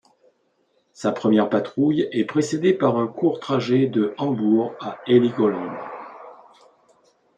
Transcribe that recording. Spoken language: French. Sa première patrouille est précédée par un court trajet de Hambourg à Heligoland.